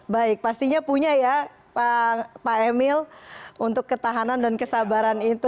baik pastinya punya ya pak emil untuk ketahanan dan kesabaran itu